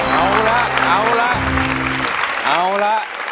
เอาละเอาละเอาละ